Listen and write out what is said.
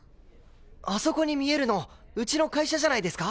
あそこに見えるのうちの会社じゃないですか？